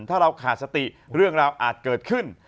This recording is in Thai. ถ้าเราขาดสติเรื่องราวอาจเกิดขึ้น